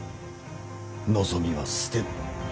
望みは捨てぬ。